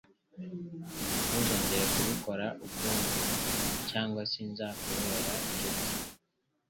Ntuzongere kubikora ukundi cyangwa sinzakubera inshuti!